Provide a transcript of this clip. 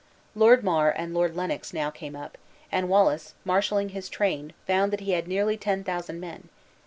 Lord Mar and Lord Lennox now came up; and Wallace, marshaling his train, found that he had nearly ten thousand men.